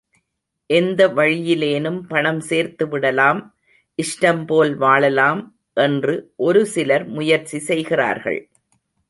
எந்த வழியிலேனும் பணம் சேர்த்து விடலாம், இஷ்டம் போல் வாழலாம் என்று ஒருசிலர் முயற்சி செய்கிறார்கள்.